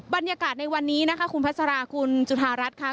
บรรยากาศในวันนี้นะคะคุณพัสราคุณจุธารัฐค่ะ